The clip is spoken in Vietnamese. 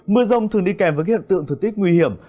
mưa rông thường đi kèm với các hiện tượng thời tiết nguy hiểm